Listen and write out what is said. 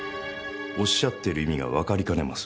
おっしゃってる意味がわかりかねます。